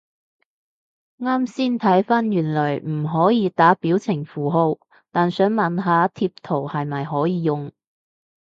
啱先睇返原來唔可以打表情符號，但想問下貼圖係咪可以用？